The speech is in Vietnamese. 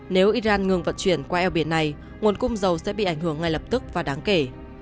nếu iran ngừng vận chuyển qua eo biển này nguồn cung dầu sẽ bị ảnh hưởng ngay lập tức và đáng kể